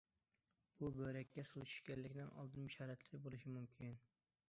بۇ بۆرەككە سۇ چۈشكەنلىكنىڭ ئالدىن بېشارەتلىرى بولۇشى مۇمكىن.